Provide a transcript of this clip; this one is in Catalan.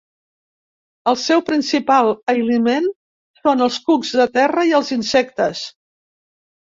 El seu principal aliment són els cucs de terra i els insectes.